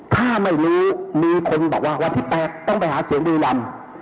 ถ้าไม่มีมีคนบอกว่าวันที่๘ต้องไปหาเสียงบุรีรำ